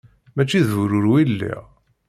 Mačči d bururu i lliɣ.